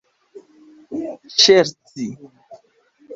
ŝerci